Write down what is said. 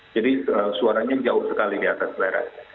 jadi suaranya jauh sekali di atas lerat